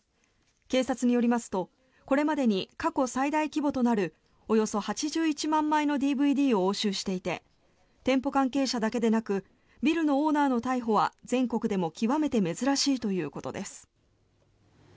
警察によりますとこれまでに過去最大規模となるおよそ８１万枚のＤＶＤを押収していて店舗関係者だけでなくビルのオーナーの逮捕は全国でも極めて珍しいということです。